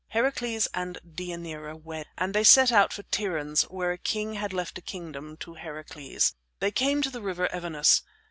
Heracles and Deianira wed, and they set out for Tiryns, where a king had left a kingdom to Heracles. They came to the River Evenus.